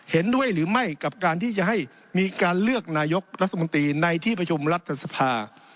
เห็นด้วยหรือไม่กับการที่จะให้มีการเลือกนายกรัฐมนตรีในที่ประชุมรัฐสภา